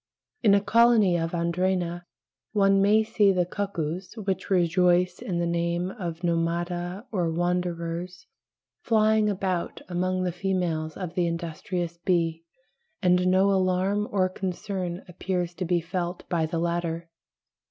In a colony of Andrena one may see the cuckoos (which rejoice in the name of Nomada or wanderers) flying about among the females of the industrious bee, and no alarm or concern appears to be felt by the latter.